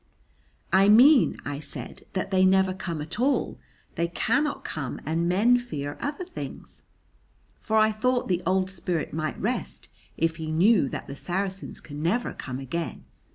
"I mean," I said, "that they never come at all. They cannot come and men fear other things." For I thought the old spirit might rest if he knew that the Saracens can never come again.